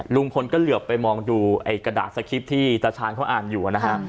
ลุงพลก็เหลือไปมองดูไอ้กระดาษสคริปต์ที่ตาชาญเขาอ่านอยู่นะฮะ